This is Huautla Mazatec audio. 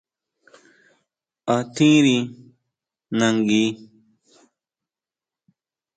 ¿A tjiri nangui?